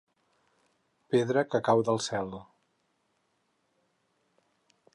Pedra que cau del cel.